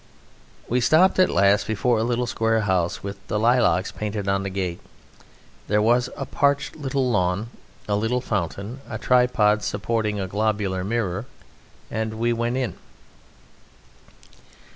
We stopped at last before a little square house with "The Lilacs" painted on its gate; there was a parched little lawn, a little fountain, a tripod supporting a globular mirror, and we went in.